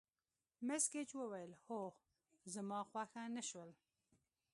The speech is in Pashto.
مس ګېج وویل: هو، خو زما خوښه نه شول.